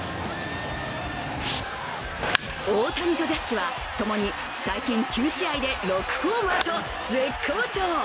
大谷とジャッジは共に最近９試合で６ホーマーと絶好調。